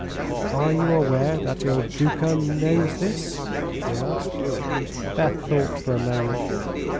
"Are you aware that Il Duca knows this?" he asked. Beth thought a moment.